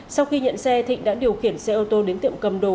sau khi nhận xe thịnh đã điều khiển xe ô tô đến tiệm cầm đồ